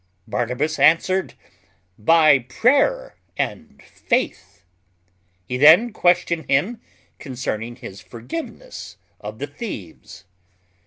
Barnabas answered, "By prayer and faith." He then questioned him concerning his forgiveness of the thieves.